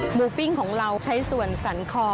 ปิ้งของเราใช้ส่วนสันคอ